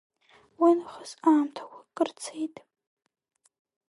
Уи нахыс аамҭақәа акыр цеит…